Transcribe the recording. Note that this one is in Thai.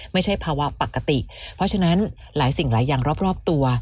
ไม่ใช่ภาวะปกติเพราะฉะนั้นหลายสิ่งหลายอย่างรอบตัว